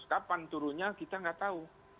kapan turunnya kita nggak tahu